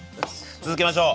続けましょう。